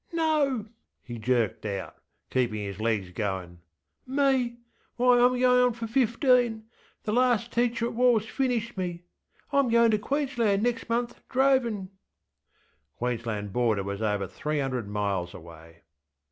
ŌĆśNo! ŌĆÖ he jerked out, keeping his legs going. ŌĆśMeŌĆöwhy IŌĆÖm going on fur fifteen. The last teacher at WallŌĆÖs finished me. IŌĆÖm going to Queensland next month drovinŌĆÖ.ŌĆÖ (Queensland border was over three hundred miles away.)